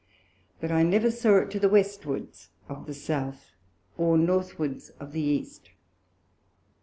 But I never saw it to the Westwards of the South, or Northwards of the East.